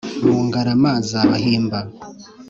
Mu Ngarama za Bahimba